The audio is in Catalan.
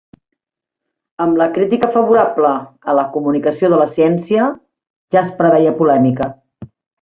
Amb la crítica favorable a la "comunicació de la ciència" ja es preveia polèmica.